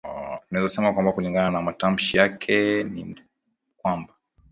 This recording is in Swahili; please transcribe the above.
tunaweza sema kwamba kulingana na matamshi yake ni kwamba